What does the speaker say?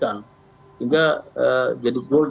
sehingga jadi boleh